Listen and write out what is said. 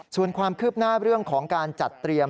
ส่วนความคืบหน้าเรื่องของการจัดเตรียม